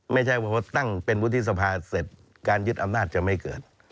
ไม่ใช่ว่าตั้งเป็นวุฒิสภาเสร็จการยึดอำนาจจะไม่เกิด